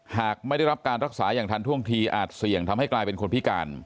หากไม่ได้รับการรักษาอย่างทันท่วงทีอาจเสี่ยงทำให้กลายเป็นคนพิการ